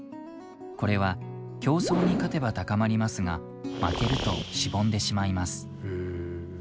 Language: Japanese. これは競争に勝てば高まりますが負けるとしぼんでしまいます。